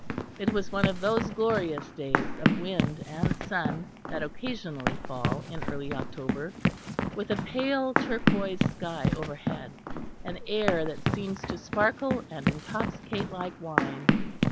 It was one of those glorious days of wind and sun that occasionally fall in early October, with a pale turquoise sky overhead, and air that seems to sparkle and intoxicate like wine.